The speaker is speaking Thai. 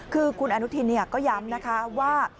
คือคุณอนุทินก็ย้ำนะคะว่า